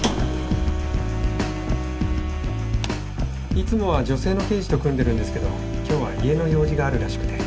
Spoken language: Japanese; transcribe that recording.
いつもは女性の刑事と組んでるんですけど今日は家の用事があるらしくて。